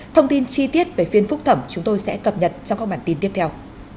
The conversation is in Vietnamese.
thông tin chi tiết về phiên phúc thẩm chúng tôi sẽ cập nhật trong các bản tin tiếp theo